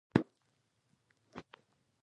آیا د مالګې فابریکې ایوډین اچوي؟